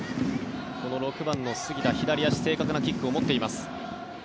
６番の杉田左足、正確なキックを持っています。